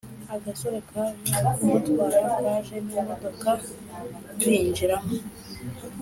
agasore kaje kumutwara kaje nimodoka binjiramo